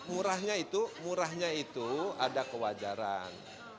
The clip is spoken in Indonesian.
murahnya itu murahnya itu ada kewajaran